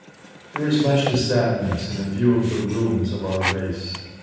There is much to sadden us in a view of the ruins of our race.